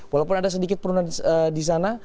walaupun ada sedikit penurunan di sana